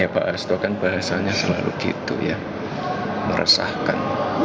pak hasto kan bahasanya selalu gitu ya meresahkan